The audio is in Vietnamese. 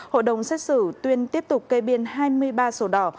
hội đồng xét xử tuyên tiếp tục kê biên hai mươi ba sổ đỏ